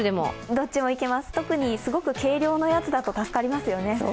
どっちもいけます、特にすごく軽量のやつだと助かりますよね。